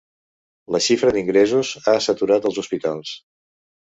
La xifra d'ingressos ha saturat els hospitals.